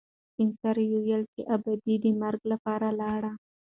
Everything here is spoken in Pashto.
سپین سرې وویل چې ابا دې د مرکې لپاره لاړ.